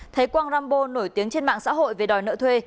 thấy quang rambo nổi tiếng trên mạng xã hội về đòi nợ thuê